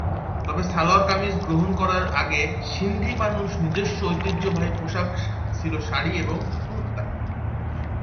তবে, সালোয়ার-কামিজ গ্রহণ করার আগে সিন্ধি মানুষদের নিজস্ব ঐতিহ্যবাহী পোশাক ছিল শাড়ি এবং কুর্তা।